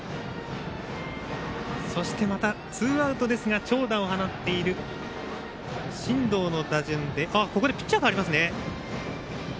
そしてまたツーアウトですが長打を放っている進藤の打順でここでピッチャーが代わりますね。